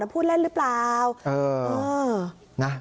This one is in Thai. มันพูดเล่นรึเปล่า